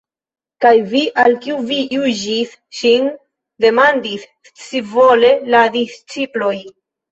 "Kaj vi? Al kiu vi juĝis ŝin?" demandis scivole la disĉiploj.